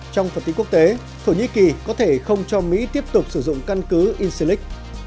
trong phần tin quốc tế thổ nhĩ kỳ có thể không cho mỹ tiếp tục sử dụng căn cứ incellic